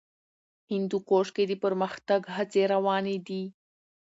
هندوکش کې د پرمختګ هڅې روانې دي.